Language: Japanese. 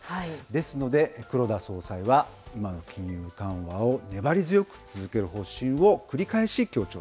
ですので、黒田総裁は、今の金融緩和を粘り強く続ける方針を繰り